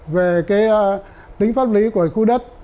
về cái tính pháp lý của khu đất